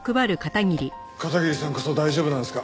片桐さんこそ大丈夫なんですか？